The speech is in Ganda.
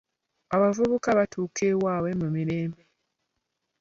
Abavubuka baatuuka ewaabwe mu mirembe.